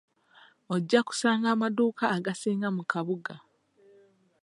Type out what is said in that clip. Ojja kusanga amaduuka agasinga mu kabuga.